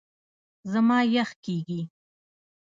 زما یخ کېږي .